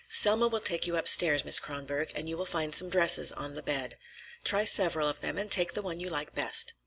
"Selma will take you upstairs, Miss Kronborg, and you will find some dresses on the bed. Try several of them, and take the one you like best.